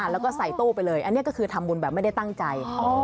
แล้วก็ใส่ตู้ไปเลยอันนี้ก็คือทำบุญแบบไม่ได้ตั้งใจ